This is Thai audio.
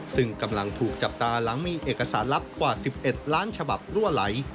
ซึ่งกำลังถูกจับตาหลังมีเอกสารลับกว่า๑๑ล้านฉบับรั่วไหล